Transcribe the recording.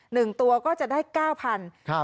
หนึ่งตัวก็จะได้๙๐๐๐กิโลกรัม